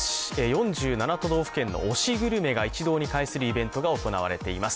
４７都道府県の推しグルメが一堂に会するイベントが行われています。